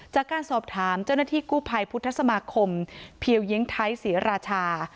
จากการสอบถามเจ้าหน้าที่กู้ภัยพุทธสมาคมเพียวเยียงไทยศรีราชา